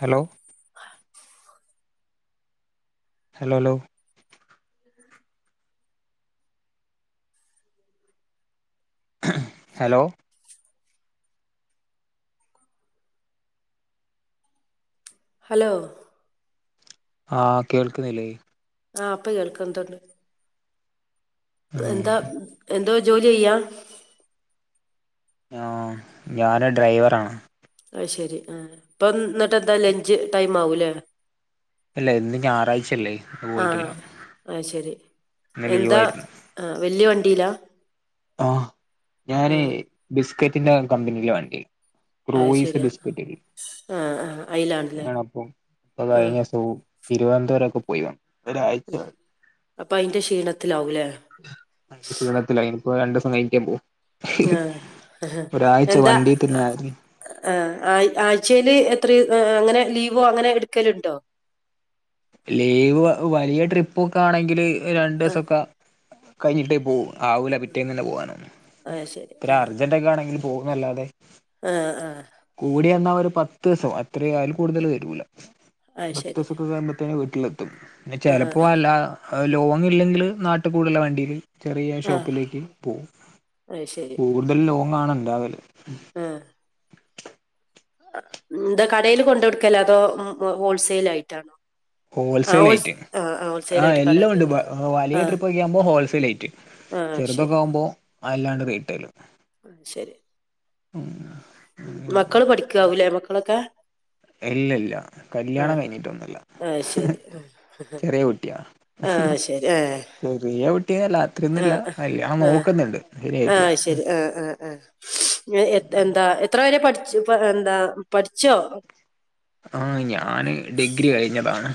Hello hello hello hello ആഹ്! കേൾക്കുന്നില്ലേ ആഹ അപ്പൊ കേൾക്കതുണ്ട്. ഉം എന്താ എന്തോ ജോലി ചെയെയ്യാ? ആ ഞാന ഡ്രൈവറാണ് ആ ശെരി ആ ഇപ്പ എന്നിട്ട് എന്താ ലഞ്ച് ടൈം ആവൂല്ലേ? ഇല്ല ഇന്ന് ഞായറാഴ്ചല്ലേ ഇന്ന് ആ പോയിട്ടില്ലോ. അത് ശരി എന്താ വല്യ വണ്ടിയിലാ? ആ ഞാന് ആ ബിസ്കറ്റിന്റെ കമ്പനിൽ വണ്ടി അത് ക്രോയിസ് ശരിയാ ബിസ്പിറ്റൾ ആ ആ അയിലാണല്ലേ ആണപ്പ ഇപ്പൊ ആ കഴിഞ്ഞ സ തിരുവനന്തപുരക്കെ പോയി വന്ന് ഒരാഴ്ച ആ അപ്പൊ അതിന്റെ ക്ഷീണത്തി- ക്ഷീണത്തി ഇനിപ്പോ രണ്ട ദിവസം കഴിിക്കാൻ പോ ആഹ എന്താ വണ്ടി തന്നെ ആഹ! ആയിരുന്നു ആ ആഴ്ചൽ എത്ര അങ്ങനെ ലീവോ അങ്ങനെ എടുക്കലുണ്ടോ? ലീവ് വലിയ ട്രിപ്പ ഒക്കെ ആണെങ്കില് രണ്ടു ആ ദിവസക്കെ കഴിഞ്ഞിട്ടേ പോകവും ആവൂല പിറ്റേന്ന് തന്നെ പോകാനന്ന അത് ശരി ഇ ആ അർജന്റ ഒക്കെ ആണെങ്കിലും പോകുന്നല്ലാതെ ആ ആ കൂടിന്നാൽ ഒരു പത്ത് ദിവസം അത്ര ആയാലും കൂടുതൽ വരൂല അത് പത്ത് ശരി ദിവസൊക്കെ കയുമ്പത്തേെ വീട്ടിലെത്തും ആ ചിലപ്പോ ആ അല്ല- ലോങ് ഇല്ലെങ്കിൽ നാട്ട് കൂടുള്ള വണ്ടിയിൽ ചെറിയ ആഹ് ഷോപ്പിലേക്ക് പോകും അത് ശരി കൂടുതൽ ലോങ്ങണ ഉണ്ടാവല് ഇന്ത കടയില് കൊണ്ട വിടുക്കല്ലോ അതോ ഹോൾസെൽ ആയിട്ടാണോ? ഹോൾസെയിൽ ആൾ ആയിട്ട് ആ ഹോൾസെൽ ആഹ് ആയിട്ട് കട എല്ലാം ഉണ്ട് ആ.. ആ.. വലിയ ട്രിപ്പ് ഒക്കെ ആകുമ്പോ ഹോൾസെയിൽ ആയിട്ട് ആഹ ചെറുതൊക്കെ ശരി എന്ന ആകുമ്പോ അല്ലാണ്ട് റീറ്റെൽ ആഹ! ശരി. ഉ മക്കള് പഠിക്കാവൂഅല്ലേ മക്കളൊക്കെ ഇല്ല ഇല്ല കല്യാണം ആഹ് കഴിഞ്ഞിട്ടൊന്നുല്ല ആഹ് ശരി ആഹ് ചെറിയ കുട്ടിയാ ആഹ് ശരി ആഹ് ചെറിയ കുട്ടില്ലതന്നില്ല ആഹ് അല്ല ആ നോക്കുന്നുണ്ട് ശരിയായിട്ട ആ എന്ത എത്ര വരെ പഠിച്ചു എന്താ പഠിച്ചോ ആഹ ഞാന് ഡിഗ്രി കഴിഞ്ഞതാണ്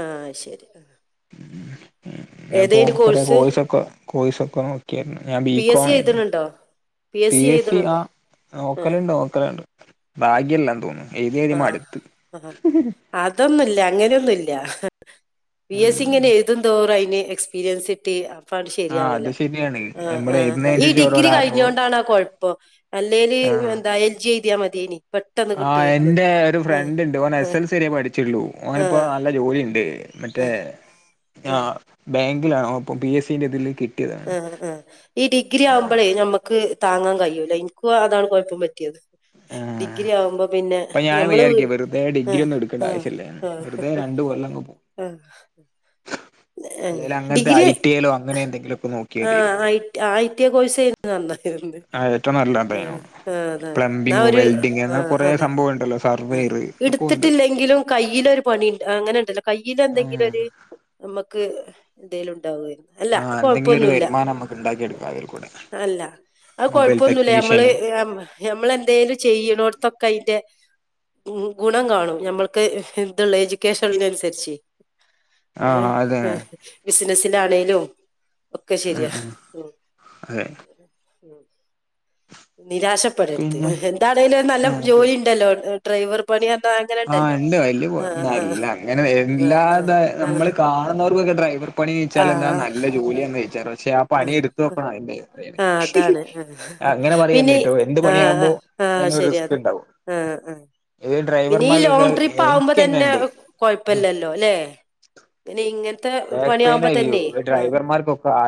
ആ ശരി ആ ഉ അപ്പൊ കൊറ കോഴ്സ് കോഴസൊക്കെ കോഴസൊക്കെ നോക്ക ഞാൻ പി എസ് ബീികോം സി ആയിരുന്നു എഴുതണുണ്ടോ പി എ സി ആ നോക്കലുണ്ട് നോക്കലുണ്ട് ഭാഗ്യല്ലാ തോന്നുന്നു എഴുതി എഴുതി ആഹ മടുത്ത് ആ അതൊന്നുമല്ല അങ്ങനെയൊന്നുമല്ല പി എസ് സി ഉം ഇങ്ങനെ എഴുതും തോറും അതിന് എക്സ്പീരിയൻസ് ഇട്ട് അപ്പണ്ട് ആഹ് അത് ശരിയാവല്ല ശരിയാണ് ആ നമ്മള് ആഹ ഈ എഴുതുന്നതിനനുസരിച്ച് ഡിഗ്രി ഓരോരോ അറിവ് കഴിഞ്ഞൊണ്ടാണ് ആ കൊഴപ്പം അല്ലെല് ആഹ് എന്താ എൽ ജി മതിയ മതിയേനി പെട്ടെന്ന്ന്ന് ആഹ് കിട്ടുയിരുന്നു എന്റെ ഒരു ഫ്രണ്ട് ഉണ്ട് ഓനെ എസ് എൽ സരിയ പഠിച്ചിുള്ളു ഓന ആ ഇപ്പോ നല്ല ജോലി ഉണ്ട് മറ്റേ ആ ആ ബാങ്കിലാണോ അപ്പം പി എസ് സിറെ ഇതില് കിട്ടിയതാണ് ആ ആ ഈ ഡിഗ്രി ആഹ് ആവുമ്പോഴേ നമ്മക്ക് താങ്ങാൻ കഴിയൂല എനിക്ക് അതാണ് കുഴപ്പം പറ്റിയത് ആഹ ആ ഡിഗ്രി ആവുമ്പോ പിന്നെ അപ്പൊ ഞാൻ ഞമ്മള് വയ്യാരിക്ക വെറുതെ ഡിഗ്രി ആഹ് ഒന്നും എടുക്കേണ്ട ആവശ്യമില്ലേ വെറുതെ രണ്ടു കൊോലങ് പോകും ആഹ അല്ലേ അങ്ങനത്തെ ഐ ടിലോ അങ്ങനെ എന്തെങ്കിലും ഒക്കെ നോക്കോ ആ ഐടി കോഴസ് ചെയ്യ നന്നത് ആഹ് ഏറ്റവും ആ നല്ലതായിരുന്നു ആ അതെതെ ന പ്ലംബിങ് ഒരു വെൽഡിങ് ആ അങ്ങനെ കുറേ അതെ സംഭവം ഉണ്ടല്ലോ ആ സർവേയർ ഇതൊക്കെ ഉണ്ട് എടുത്തിട്ടില്ലെങ്കിലും കയ്യില ഒരു പണിണ്ട് അങ്ങനെണ്ടല്ലോ കയ്ൽ എന്തെങ്കിലും ആഹ് ഒരു നമ്മക്ക് എന്തേലും ഉണ്ടാവുകയായിരുന്നു അല്ല എന്തങ്കിലും ഒരു കൊഴപ്പൊന്നുല്ല വരുമാം നമുണ്ടാക്കി അല്ല അത് മൊബൈൽ കൊഴപ്പൊന്നുമല്ല ഞമ്മള് ടെക്നീഷ്യന് നഞമ്മളെന്തേലും ചെയ്യണോടത്തൊക്കെ അയിന്റെ ഗുണം കാണും ഞമ്മൾക്ക് ഇതുള്ള എജ്യൂക്കേഷനനുസരിച്ച് ഉ ആഹ് അതന്നെ ബിസിനസിലാണേലും ഒക്കെ ആ ശരിയാ ഉം ആ അ ഉം നിരാശപ്പെടരുത് പിന്നെ എന്താണേിലും നല്ല ജോലി ഉണ്ടല്ലോ ഡ്രൈവർ പണിയാൻ ആഹ ഉണ്ട് വല്ിയ നല്ല അങ്ങനെ ആഹ് എല്ലാത ആഹ് ആഹ് നമ്മള് കാണുന്നവർക്കൊക്കെ ഡ്രൈവ് പണി ചോദിച്ചാൽ എന്താ നല്ല ആഹ് ജോലിയാന്ന് ചോദച്ചാറ് പക്ഷെ ആ പണി ആഹ് എടുത്തുപ്പണം ആഹ് ആഹ് അതാണ്. ആഹ് അതിണെ പിന്നെ ആഹ ആ് ആഹ അതിനൊരു റിസ്ക് ശരിയതാ ഉണ്ടാവും ആഹ ആ ഈ പി നീ ഡ്രൈവർമാർക്കൊക്കെ ലോങ്ങ് ട്രിപ്പ് ആകുമ്പോ എനിക്കന്നെ തന്നെ ഉണ്ട് കുഴപ്പില്ലല്ലോ അല്ലേ ഇനി ഇങ്ങനെ ബാക്ക് പെയിൻ ആയിും ഡ്രൈവർമാർക്കൊക്കെ ആ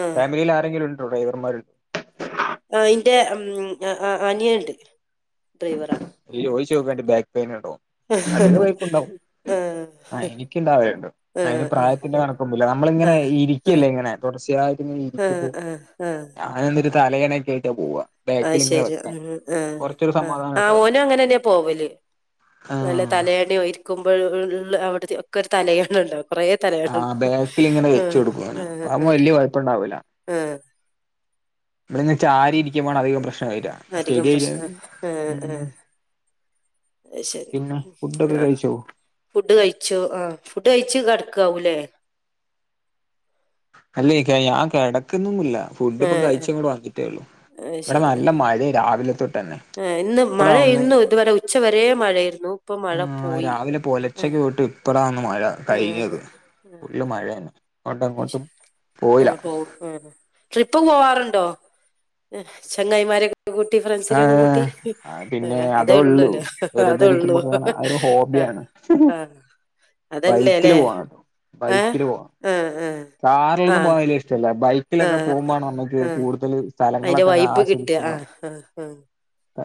ആഹ് ഫാമിലിയിൽ ആരെങ്കിലും ഉണ്ടണ്ടോ ഡ്രൈവർമാരുണ്ടോ ആ ഇറെ ഉ അനിയുണ്ട് ചോയിച്ച്ോക്ക ബാക്ക് പെയിൻ ഉണ്ടോ ആഹ് ആ എനക്ക് ഇണ്ടാവേണ്ട് ആഹ് അതിന് ആഹ് പ്രായത്തിന്റെ കണക്കൊില്ല നമ്മള ഇങ്ങനെ ആഹ് ആഹ് ഇരിക്കല്ലേ ഇങ്ങനെ ായിട്ട് ഇരിക്ക ആഹ് ആഹ് ആഹ് ഞാനൻ എട്ടരു തലയണക്ക പോ ബാക്കിൽ ഇങ്ങനെ വെക്ക ആ ആ് ഓനും അങ്ങനെന്നെയ പോവലേ നല്ല തലേണ്ണ നക്കുമ്പോഴ അവിടുത്തെ ഒക്കെ ഒരു തലയണ്ണ ഉണ്ടും കൊറേ തരുണ്ട് ആഹ് ബാക്കിൽ ഇങ്ങനെ ആ വെച്ച് കൊടുക്കും ആ അങ്ങനെ അപ്പ ആ ആവുമ്പോ വലിയ ആഹ ഇവിടെന്ന് ച്ചാരിക്കുമ്പോണ് അധികം പ്രശ്നം അധികം ശരി അ ശരി ആ കഴിച്ചോ ഫുഡ് കഴിച്ചു ആഹ ഫുഡ് കഴിച്ചു കട ക്കാവുലേ അല്ലെയ് ക്കാ ഞാൻ കെടക്കുന്നുന്നില്ല ഫുഡ് ഇപ്പം ആഹ് കയിച്ച് ആഹ് ഇങ്ങൊട് വന്നിട്ടേള്ളു ഇവിടെ നല്ല മഴയാ രാവിലെ തൊട്ടെന്നെ ഏ ഇന്ന് മഴേന്നു ഇതുവരെ ഉച്ചവരേ മഴ യേരുന്നു ഇപ്പൊ മഴ ആഹ് പോയി രാവിലെ ആ പുലർച്ചക്ക് തൊട്ട് ഇപ്പളാ മഴ കഴിഞ്ഞത് ഫുള്ള് മഴയാണ് അങ്ങോട്ടും ഇങ്ങോട്ടും ആ പോയില്ല പോവും ആ ട്രിപ്പ് പോവാറു ണ്ടോ? ചങ്ങായിമാരെ കൂട്ടി ഫ്രണ്ട്സിനൊക്കെ കൂട്ടി ആഹ് ആഹ് പിന്നെ അതേ ഉള്ളൂ ഉള്ളൂല്ലെ വെറുതെ അതേ ഉള്ളൂ ഇരിക്കുമ്പോ കാണാ അത് ഒരു ആ ഹോബിയാണ് ആ അതല്ലേ ബൈക്കില് അല്ലേ പോണംട്ടോ ഏ ബൈക്കില് പോണം ആ കാറിലൊന്നും പോകാൻ വല്യ ഇഷ്ടല്ല ബൈക്ക് ആ ആ അയിന്റെ സ്ഥലങ്ങളൊക്കെ വൈബ് കിട്ടാ ആസ്വദിച്ച് ആ പോകാൻ ഹാ ഹാ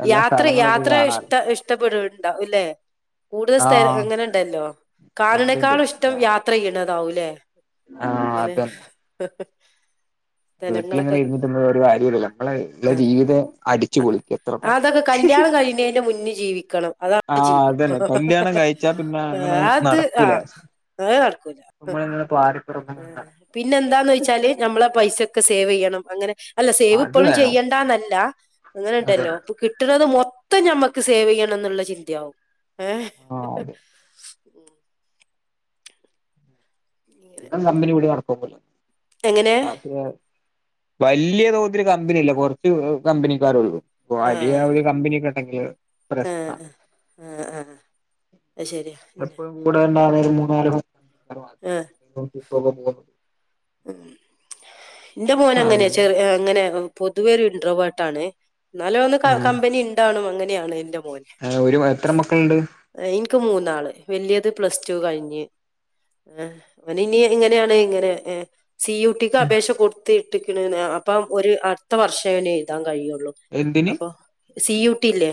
എല്ലാ യാത്രൈ സ്ഥലങ്ങളൊക്കെ യാത്ര കാണാലോ ഇഷ്ട ഇഷ്ടപ്പെടുംണ്ടാവു ല്ലേ കൂടുതൽ സ്ഥ ആഹ് അങ്ങനെണ്ടല്ലോ ഇണ്ട്ണ്ട് കാണ്നേക്കാളും ഇഷ്ടം ഞാ യാത്രെയ്യ ന്നതാവൂലേ ആഹ് ഇങ്ങനെ അതന്നെ സ്ഥലങ്ങളൊക്കെ വീട്ടിലിങ്ങനെ ഇരുന്നിട്ട്ഒന്നും ഒരു കാര്യവുല്ല്യ നമ്മളെ ഇള്ള ആഹ് ജീവിതേ അടിച്ചു പൊളിക്ക അത്രതന്നെ കല്ല്യാണം കഴീന്നേന്റെ മുന്നേ ജീവിക്കണം അതാണ് ആഹ് ജീവി അതന്നെ അത് ആഹ് ക്കൂലാസ് അത് നടക്കൂല നട പിന്നെ എന്താന്ന് വെച്ചാല് ഞമ്മളെ പൈ സ ഒക്കെ സേവെയ്യണം അങ്ങനെ അല്ല സേവ് അത് ഇപ്പൊളും വേണം ചെയ്യണ്ടാന്നല്ല ഇങ്ങനെ അതെ ണ്ടല്ലോ കിട്ടണത് മൊ ത്തം ഞമ്മക്ക് സേവെയ്യണം ന്ന്ള്ള ചിന്തയാവും ഏ ആഹ് അതെ ഇപ്പം കമ്പിനി കൂടി നടകൊക്കൂല എങ്ങനെ രാത്രിയാ വല്ല്യ തോതില് കമ്പിനി ഇല്ല കൊറച്ച് കമ്പനിക്കാരെള്ളൂ വലിയ ആഹ് ഒരു കമ്പനിയൊക്കെ പ്രശ്നാ. ആഹ് ആഹ് ആഹ് അത് ശരിയാ പ്ലസ് വൺ കൂടെ യുണ്ടാണേലും മൂന്നാലു പേർ [unintelligible] ന്റെ മോൻ അങ്ങനെയാ അങ്ങനെ ചെറിയ ആ അങ്ങനെ പൊതുവേ ഒരു ഇൻട്രോവേട്ടാണ് ന്നാലും ഒന്ന് ക ആ കമ്പനി ഇണ്ടാണും അങ്ങനെയാണ് ന്റെ മോ ൻ ഒരു എത്ര മക്കളുണ്ട് എനിക്ക് മൂന്നാള്. വലിയത് പ്ലസ് ടു കഴിഞ്ഞ് ഏ അവനിനി ഇങ്ങനെയാണ് ഇങ്ങനെ ഏ സി യു ടിക്ക് അപേക്ഷ കൊടുത്തിട്ട്ക്ക്ണ് ന്നാ അപ്പൊ ഒരു അടുത്ത വർഷേ ഇനി എഴുതാൻ കഴിയു ള്ളൂ എന്തിന് അപ്പൊ സി യൂ ട്ടി ഇല്ലേ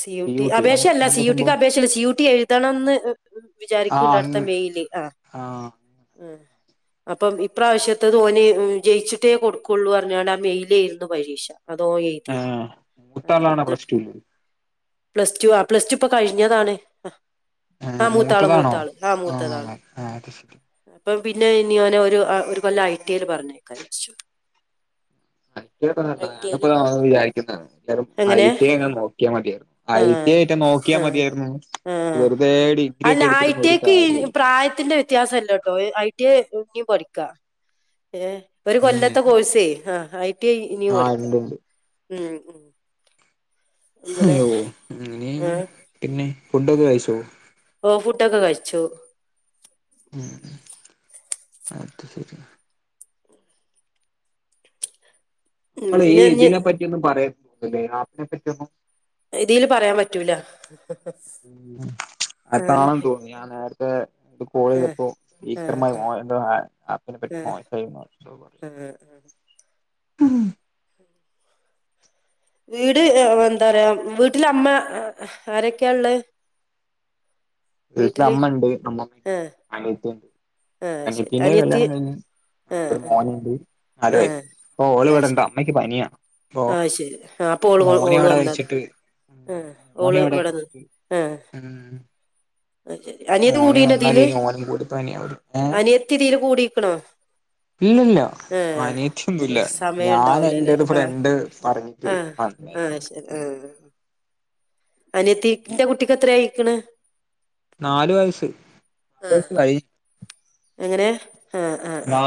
C U P T U T അപേക്ഷ അല്ല സി അതെന്താ യൂ ട്ടി ക്ക് സംഭവം അപേക്ഷല്ല സി യൂ ട്ടി എഴുതണം ന്ന് ആ വിചാരിക്കണ്ട് അടുത്ത മെയ്ല് ആ ആ ഉം അപ്പൊം ഇപ്രാവശ്യത്തത് ഓന് ജയിച്ചിട്ടേ കൊടുക്കുള്ളൂ പറഞ്ഞോണ്ടാ ആ മെയി ലേയിരുന്നു പരീക്ഷ അതോൻ എയ്തില്ല ആ മൂത്താളാണോ എന്നിട്ട് പ്ലസ് ടുല് പ്ലസ് ടു ആ പ്ലസ് ടു ഇപ്പൊ കഴിഞ്ഞതാണ് ആ ഹാ മൂത്താള് മൂത്തതാണോ മൂത്താള് ആ മൂത്തതാണ് ആ അത് ശരി ഇപ്പം പിന്നെ ഇനി ഓനെ ഒരു ആ ഒരു കൊല്ലം ഐ ടി എൽ പറഞ്ഞയക്കാ വെച്ചു അതാ ഇപ്പൊ നല്ലത് ഞാനിപ്പോളാ വിചാരിക്കുന്നെ വെറും ഐ എങ്ങനെ ടി എ എങ്ങാൻ നോക്കിയാ മതിയേനു ആ ഐ ടി എ റ്റം നോക്കിയാ ആ മതിയാരുന്നു ആ അല്ല ഐടി ഐ ക്ക് ഈ കാര്യവും ഇല്ല. പ്രായത്തിന്റെ വിത്യാസം ഇല്ലട്ടോ ഏ ഐ ടി എ ഇനീം പഠിക്ക ഏ ഒരു ഉം കൊല്ലത്തെ കോഴ്സേ ആ ഐ ടി ഐ ഇനിയും ആഹ് പഠിക്കാ ഇണ്ട്ണ്ട് ഉം അങ്ങനെ അയ്യോ ആ അങ്ങനെയാണ് പിന്നെ ഫുഡൊക്കെ കഴിച്ചോ? ഓ ഫുഡ് ഒക്കെ കഴിച്ചൂ. ഉം അത് ശരി ഉം, നമ്മള് ഈ പിന്നെ ഇനി ഇതിനെപ്പറ്റിയൊന്നും പറയ ല്ലേ ആപ്പിനെ പറ്റിയൊന്നും ഇതീല് പറയാൻ പറ്റൂല ആ അതാണെന്ന് തോന്നുന്ന് ഞാൻ നേർത്തെ [inaudible] ആ ആ ആ ആ ആ ആ ഉം വീട് എന്താ പറയാ വീട്ടില് അമ്മ ആരൊക്കെയാള്ളെ വീട്ടില് അമ്മണ്ട് കമ്മ ഉണ്ട് ആഹ് അനിയത്തിണ്ട് ആഹ് ശരി അനിത്തിന്റെ അനിയത്തി കല്യാണം കഴിഞ്ഞു ആഹ് ഒരു ആഹ് മോനുണ്ട് നാല് ആഹ് വയസ് ഇപ്പൊ ഓള് അത് ഇവിടൊണ്ടാ ശരി അമ്മക്ക് പനിയാ അപ്പൊ ആഹ് ശരി ആ അപ്പൊ ഓള് മോനെ ഓള് അവിടെ വന്നാത വെച്ചിട്ട് ആഹ് മോനെ ഓള് അവിടെ ഇവിടന്നിന്ന് വെച്ചിട്ട് ആഹ് ഉം അനിയൻ്റെ ഓന് വന്നാല് [unintelligible] ഇനി ഓനും കൂടി പനിയാവൂലെ ഏ അനിയത്തി ഇതീല് കൂടിക്കണോ ഇല്ലല്ല ആഹ് അനിയത്തിയൊന്നുല്ല സമയം ഞാൻ എന്റെ ഇണ്ടാവുല്ലല്ലേ ഒരു ആഹ് ഫ്രണ്ട് പറഞ്ഞിട്ട് ആഹ് ആഹ് വന്നായിരുന്നു ശരി ആഹ് അനിയത്തി ഇന്റെ കുട്ടിക്ക് എത്രയായിക്കണ് നാലു വയസ്സ് ആഹ് കൈ ആഹ് ആഹ് ആഹ്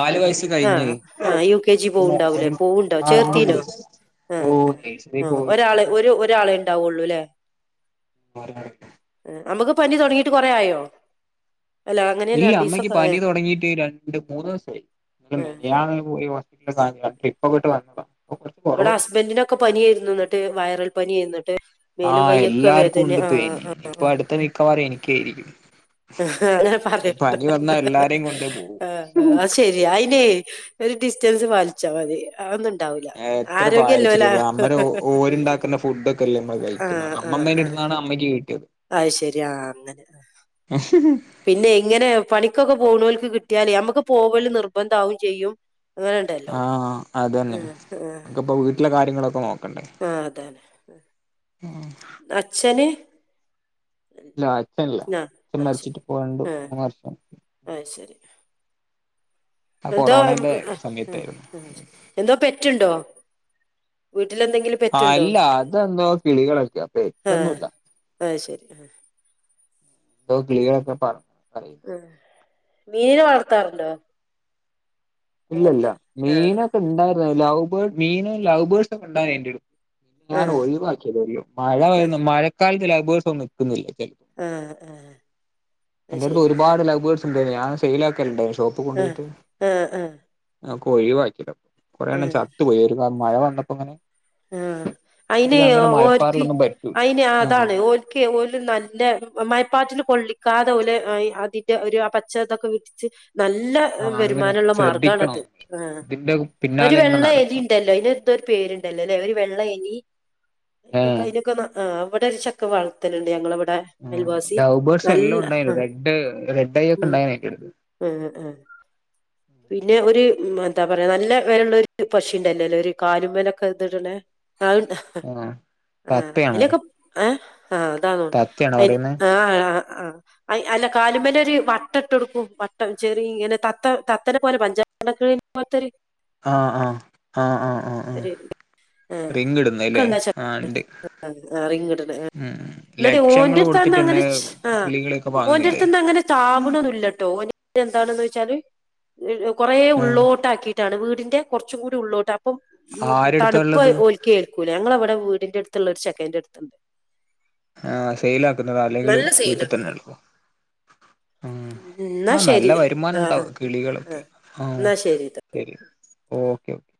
കഴിഞ്ഞ് ആഹ് ആ ഒരു യു കെ ജി മോ പോവുണ്ടാവൂലേ ഒരു പോവുണ്ടോ ആ ഇണ്ട് ചേർത്തീനോ? ഇണ്ട് ഓ ആഹ് ആഹ് നഴ്സറി ആഹ് ഒരാള് ഒരു ഒരാളെ ഉണ്ടാവുള്ളൂ ല്ലേ? ആറ് മണിക്ക് അമ്മക്ക് പനി തൊടങ്ങീട്ട് കൊറേ ആയോ? അല്ല അങ്ങനെയല്ല ഇല്ല രണ്ട് അമ്മയ്ക്ക് ദിവസമൊക്കെ പനി ആയോ തൊടങ്ങീട്ട് രണ്ട് മൂന്ന് ദിവസായി ആ [unintelligible] പോയി വന്ന് [unintelligible] ട്രിപ്പൊക്കെട്ട് വന്നതാ ഇപ്പൊ കുറച്ച് ഇവിടെ കുറവുണ്ട് ഹസ്ബന്റിനൊക്കെ പനിയായിരുന്നു ഇന്നിട്ട് വൈറൽ പനിയായിരുന്ന് ആഹ് എല്ലാർക്കും ഇണ്ട് ഇപ്പെ, ആ ആ ഇപ്പ ആ. അടുത്ത മിക്കവാറും എനിക്കായിരിക്കും. അങ്ങനെ പറയണ്ട പനി വന്നാ എല്ലാരെയും കൊണ്ടേ പോകും ആഹ് അത് ശെരിയാ അയിന് [unintelligible] ഒരു ഡിസ്റ്റൻസ് പാലിച്ചാ മതി അതൊന്നും ഇണ്ട് എത്ര [unintelligible] അന്നേരം ഓര്ണ്ടാക്കുന്ന ഫുഡക്കെല്ലേ ഇമ്മള് കഴിക്കുന്നെ ആഹ് ആഹ് അമ്മമ്മേൻ്റെടുത്ത് ആഹ് [unintelligible] ആണ് അമ്മയ്ക്ക് കിട്ടിയത്. അത് ശരി ആഹ് അങ്ങനെ പിന്നെ ഇങ്ങനെ പണിക്കൊക്കെ പോ പോണോൽക്ക് കിട്ടിയാലേ നമ്മക്ക് പോവല് നിർബന്ധാവോം ചെയ്യും അങ്ങനെണ്ടല്ലോ ആഹ് അതന്നെ ഊഹ് ഊഹ്. നമുക്കിപ്പോ വീട്ടിലെ കാര്യങ്ങളൊക്കെ നോക്കണ്ടേ ആഹ് അതന്നെ. അച്ഛന് ഇല്ല അച്ഛനില്ല ആഹ് അച്ഛൻ അത് ശരി. മരച്ചിട്ട് ഇപ്പോ രാണ്ട് ആഹ് മൂന്ന് വർഷം ആയി. അത് ശരി ആ എന്തോ കൊറോണന്റെ [unintelligible] സമയത്തായിരുന്നു എന്തോ പെറ്റുണ്ടോ വ് ആഹ് അല്ല അതെന്തോ കിളികളൊക്കെയാ ആഹ് പെറ്റൊന്നുല്ല അത് ശരി ആഹ് ന്തോ കിളികളൊക്കെ പറ ആഹ് മീനെ വളർത്താറുണ്ടോ? ഇല്ലില്ല അങ്ങനത്തെ ആഹ് മീനൊക്കെ ഇണ്ടായിരുന്ന് ലവ ബേ മീന് ലൗവ് ബേർഡ്സ് ഒക്കെ ഇണ്ടായിരുന്നെന്റടു ഞാൻ ആഹ് ഒഴിവാക്കിയ [unintelligible] മഴ ആഹ് വരുന്ന മഴക്കാലത്ത് ലൗബേസൊന്നും നിൽക്കുന്നില്ല ആഹ് ആഹ് അത് എന്റടുത്ത് ശരി ഒരുപാട് ലവ്ബേർഡ്സ് ഉണ്ട് ഞാൻ സെയിൽ ആക്കലുണ്ട് ആഹ് ആഹ് ആഹ് ആഹ് ഒഴിവാക്കിയതാ കൊറെണ്ണം ആഹ് ചത്തു പോയി ഒരു മഴ വന്നപ്പോക്കങ്ങനെ ആഹ് അയിനെ ഓർക്ക് മഴപ്പാറിലൊന്നും പറ്റൂല അയിന് ആഹ് അതാണ് ഒല്ക്ക് ഓല് നല്ല മയപ്പാറ്റില് കൊള്ളി കാതൊല് അയ് അതിന്റെ ഒരു ആഹ് പച്ചത്തൊക്കെ വിരിച്ച് നല്ല ആഹ് അങ്ങനെ വരുമാനുള്ള ശ്രദ്ധിക്കണം മാർഗാണിത് ആഹ് ഇതിന്റെ ഒരു പിന്നാലെ ഇങ്ങനെ വെള്ള നടക്കണം എലിണ്ടല്ലോ അയിൻ്റെ ന്തൊരു പേരുണ്ടല്ലോ അല്ലെ അവര് വെള്ള എലി അയ്ന്റെക്ക ഏഹ് അയ്നൊക്കെ ആ ഇവിടെ ഒരു ചക്ക വളർത്തലുണ്ട് ഞങ്ങളവിടെ ആ അയൽവാസി ലവ്ബേഴ്സ് എല്ലാം നല്ല ഉണ്ടായി ആ റെഡ് റെഡ് ഐ ഒക്കെ ആ ഉണ്ടായിനി ആ ആ പിന്നെ ഒര് ഉം എന്താ പറയാ നല്ല വെലള്ള ഒരു പക്ഷിയുണ്ടല്ലോല്ലേ ഒരു കാലുമ്മേലൊക്കെത്ടണേ ആ തണ്ട് ഹ് ഹെ ആ ആ തത്തയാണോ അയിലൊക്കെ ആഏ ആഹ അതാണോ തത്തയാണോ അന് പറയുന്നേ ആ ആ ആ അല്ല കാലുലൊരു വട്ട ഇട്ടൊടുക്കും വട്ടം ചെറി ഇങ്ങനെ തത്ത തത്തനെ പോലെ പഞ്ച അടക്കളിനെ പോതൊരു ആഹ് ആഹ ഹാ് ആ ആ ആ ഒരു ആ റിങ് ഒക്കെ ഇടുന്നല്ലേ ഉണ്ട് ആഹ് ണ്ട് ആ അറിങ്ടെണ ആ എന്നിട്ട ലക്ഷങ്ങൾ ഓന്റെ കൊടുത്തിട്ട്ന്നെ അടുത്തന്ന്ങ്ങനെ ച് ച് ആ കിളികളെയൊക്കെ ഓന്റെ വാങ്ങുന്നില്ലേ അടുത്ത്ന്ന്ങ്ങനെ താവ്ണൊനുല്ലട്ടോ ഓൻ എന്താണെന്ന് വെച്ചാല് കൊറേ ആഹ് ഉള്ളോട്ടാക്കിയിട്ടാണ് വീടിന്റെ കുറച്ചുംകൂടി ഉള്ളോട്ട് അപ്പം ഉമ് ആരെടുത്താ തണുപ്പ് ഉള്ളത് ഓൽക്കേൽക്കൂല ഞങ്ങളവടെ വീടിന്റെടുത്തുള്ള ഒരു ചെക്കൻറടുത്ത്ണ്ട് ആഹ് സെയിൽ ആകുന്നതാ അല്ലെങ്കില് നല്ല സീനാ വീട്ടിതന്നെ എടുക്കോ ആ എന്നാ ആ നല്ല ശരി ആ ആ വരുമാനണ്ടാവും ആ കിളികളൊക്കെ ആഹ ശരി ഓക്കെ ഓക്കേ